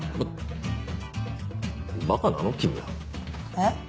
えっ？